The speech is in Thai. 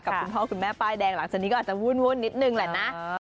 คุณพ่อคุณแม่ป้ายแดงหลังจากนี้ก็อาจจะวุ่นนิดนึงแหละนะ